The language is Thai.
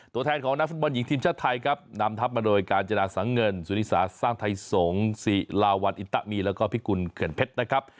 ตัวแทนของนักฟุตบอลหญิงทีมชาติไทยครับนำทัพมาโดยกาญจนาสังเงินสุนิสาสร้างไทยสงศ์ศิลาวันอินตะมีแล้วก็พิกุลเขื่อนเพชรนะครับ